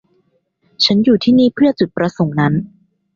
ฉันอยู่ที่นี่เพื่อจุดประสงค์นั้น